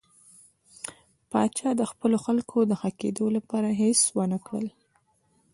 پاچا د خپلو خلکو د ښه کېدو لپاره هېڅ ونه کړل.